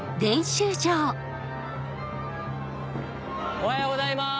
おはようございます。